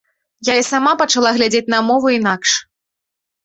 Я і сама пачала глядзець на мову інакш.